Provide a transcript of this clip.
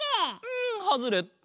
うんハズレット。